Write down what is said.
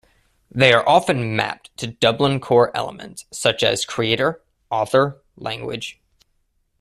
They are often mapped to Dublin Core elements such as Creator, Author, Language.